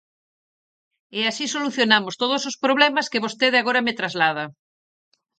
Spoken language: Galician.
E así solucionamos todos os problemas que vostede agora me traslada.